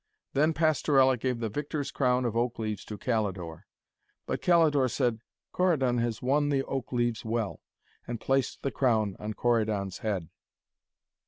Then Pastorella gave the victor's crown of oak leaves to Calidore. But Calidore said 'Corydon has won the oak leaves well,' and placed the crown on Corydon's head.